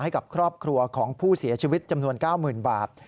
ให้กับครอบครัวของผู้เสียชีวิตจำนวน๙๐๐๐บาท